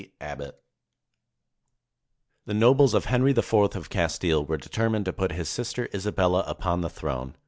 ABBOTT [The nobles of Henry IV of Castile were determined to put his sister Isabella upon the throne.